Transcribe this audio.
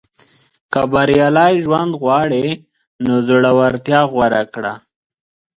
• که بریالی ژوند غواړې، نو زړورتیا غوره کړه.